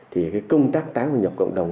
thì cái công tác tái hội nhập cộng đồng